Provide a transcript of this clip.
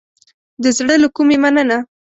د زړه له کومې مننه